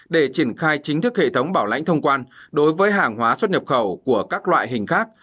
để triển khai chính thức hệ thống bảo lãnh thông quan đối với hàng hóa xuất nhập khẩu của các loại hình khác